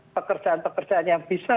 pekerjaan pekerjaan yang bisa